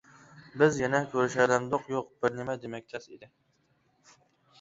بىز يەنە كۆرۈشەلەمدۇق-يوق، بىرنېمە دېمەك تەس ئىدى.